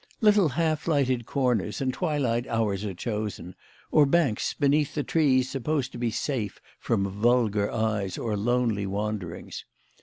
Little half lighted corners and twilight hours are chosen, or banks beneath the trees supposed to be safe from vulgar eyes, or lonely wanderings.